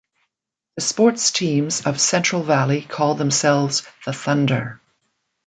The sports teams of Central Valley call themselves the Thunder.